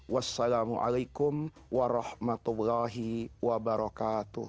wassalamualaikum warahmatullahi wabarakatuh